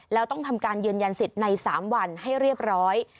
แล้วต้องทำการยืนยันสิทธิ์ใน๓วันให้เรียบร้อย